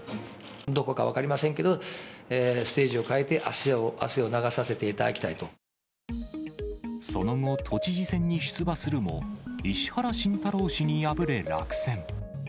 どこか分かりませんけど、ステージを変えて、その後、都知事選に出馬するも、石原慎太郎氏に敗れ落選。